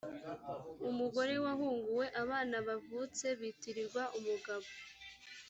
umugore wahunguwe abana bavutse bitirirwa umugabo.